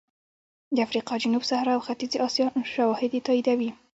د افریقا جنوب صحرا او ختیځې اسیا شواهد یې تاییدوي